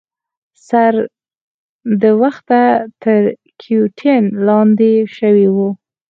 سر د وخته تر ګیوتین لاندي شوی وو.